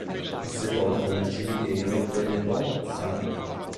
È sepolto nel cimitero delle Porte Sante.